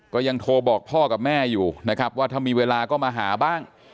ก็ยังโทรบอกพ่อกับแม่อยู่นะครับว่าถ้ามีเวลาก็มาหาบ้าง